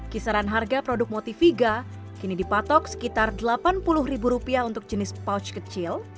kisaran harga produk motiviga kini dipatok sekitar delapan puluh ribu rupiah untuk jenis pouch kecil